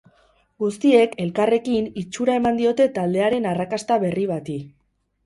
Guztiek, elkarrekin, itxura eman diote taldearen arrakasta berri bati.